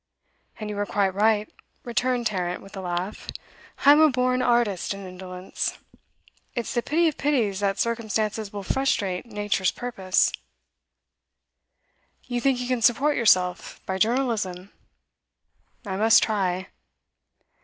'And you were quite right,' returned Tarrant, with a laugh. 'I am a born artist in indolence. It's the pity of pities that circumstances will frustrate Nature's purpose.' 'You think you can support yourself by journalism?' 'I must try.